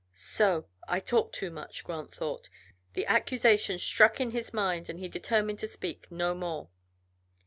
"So! I talk too much," Grant thought. The accusation struck in his mind and he determined to speak no more.